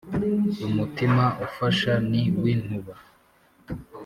umutima ufasha ni w’intuba